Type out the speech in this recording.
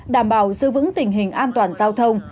đảm bảo giữ vững tình hình an toàn giao thông